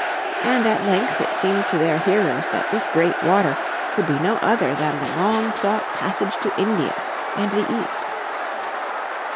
And at length it seemed to their hearers that this great water could be no other than the long sought passage to India and the East.